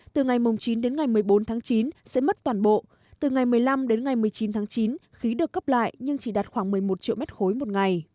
từ ngày chín đến ngày một mươi bốn tháng chín sẽ mất toàn bộ từ ngày một mươi năm đến ngày một mươi chín tháng chín khí được cấp lại nhưng chỉ đạt khoảng một mươi một triệu mét khối một ngày